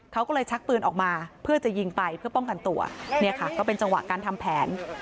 เขาก็เลยชักปืนออกมาเพื่อจะยิงไปเพื่อป้องกันตัวเนี่ยค่ะก็เป็นจังหวะการทำแผน